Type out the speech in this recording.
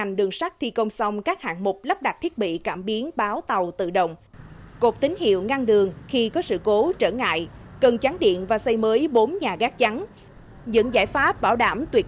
những giải pháp bảo đảm tuyệt vời của các tỉnh bình thuận đồng nai bình dương